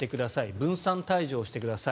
分散退場してください